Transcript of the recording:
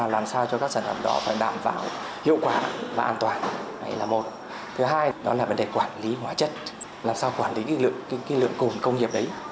làm sao quản lý cái lượng cồn công nghiệp đấy